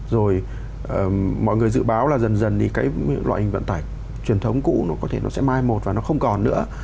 rồi mọi người dự báo là dần dần thì cái loại hình vận tải truyền thống cũ nó có thể nó sẽ mai một và nó không còn nữa